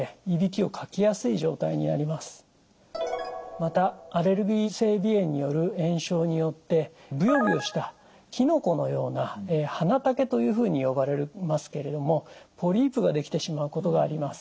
またアレルギー性鼻炎による炎症によってブヨブヨしたきのこのような鼻茸というふうに呼ばれますけれどもポリープが出来てしまうことがあります。